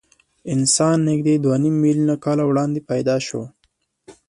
انسان نږدې دوه نیم میلیونه کاله وړاندې پیدا شو.